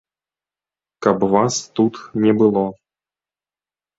Каб вас тут не было!